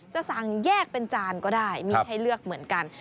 จะสั่งแยกเป็นจานก็ได้มีให้เลือกเหมือนกัน